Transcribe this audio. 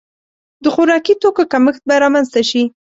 د خوراکي توکو کمښت به رامنځته شي.